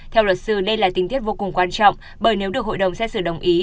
theo luật sư đây là tình tiết vô cùng quan trọng bởi nếu được hội đồng xét xử đồng ý